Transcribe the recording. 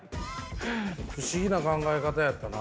不思議な考え方やったな。